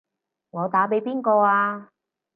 我打畀邊個啊？